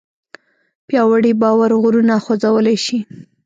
پیاوړی باور غرونه خوځولی شي.